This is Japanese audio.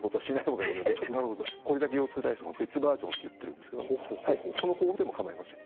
「これだけ腰痛体操」の別バージョンって言ってるんですけどこの方法でも構いません。